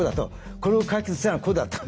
これを解決するにはこうだと。